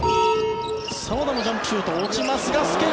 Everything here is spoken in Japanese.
澤田のジャンプシュート落ちますが介川。